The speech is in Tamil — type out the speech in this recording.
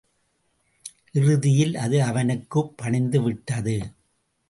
இறுதியில் அது அவனுக்குப் பணிந்துவிட்டது.